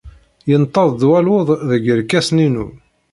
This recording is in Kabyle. Yenṭeḍ-d waluḍ deg yerkasen-inu.